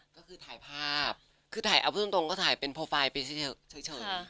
ก็คือถ่ายภาพคือถ่ายเอาเพิ่มตรงก็ถ่ายเป็นโปรไฟล์ไปเฉย